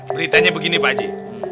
beritanya begini pak haji